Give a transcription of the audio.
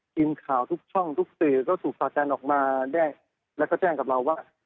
ทีมข่าวทุกช่องทุกสื่อก็ถูกสาการออกมาแจ้งแล้วก็แจ้งกับเราว่า